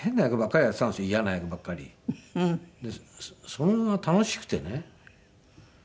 それが楽しくてね。